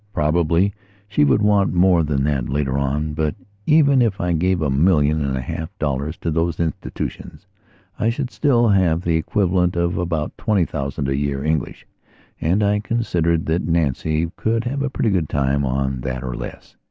Probably she would want more than that later on. But even if I gave a million and a half dollars to these institutions I should still have the equivalent of about twenty thousand a year English, and I considered that Nancy could have a pretty good time on that or less.